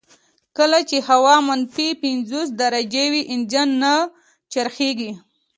کله چې هوا منفي پنځوس درجې وي انجن نه څرخیږي